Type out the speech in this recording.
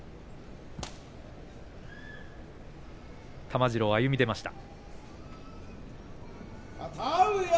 玉治郎が歩み出ました。